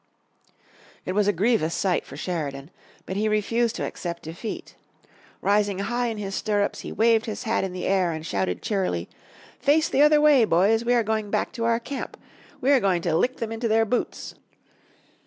It was a grievous sight for Sheridan. But he refused to accept defeat. Rising high in his stirrups he waved his hat in the air, and shouted cheerily, "Face the other way, boys. We are going back to our camp. We are going to lick them into their boots."